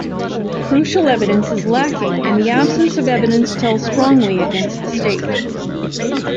Crucial evidence is lacking and the absence of evidence tells strongly against the State.